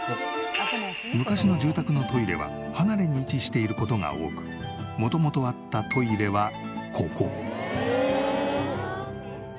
昔の住宅のトイレは離れに位置している事が多く元々あったトイレはここ。